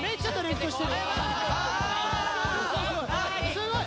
すごい！